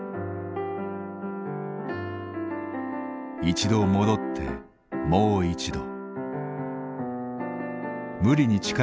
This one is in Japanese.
一度戻ってもう一度。